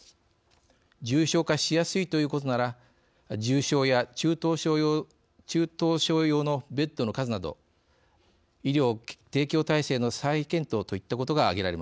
重症化しやすいということなら重症や中等症用のベッドの数など医療提供体制の再検討といったことが挙げられます。